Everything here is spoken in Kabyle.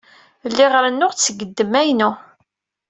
Lliɣ rennuɣ-d seg ddemma-inu.